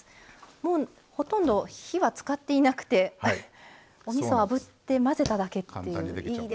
もうほとんど火は使っていなくておみそあぶって混ぜただけっていう。